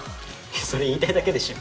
それ言いたいだけでしょ。